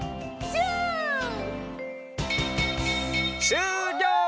しゅうりょう！